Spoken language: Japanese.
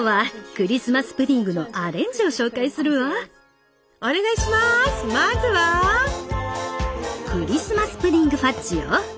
クリスマスプディング・ファッジよ！